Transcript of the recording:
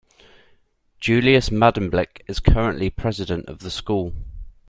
Julius Medenblik is currently president of the school.